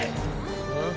あ？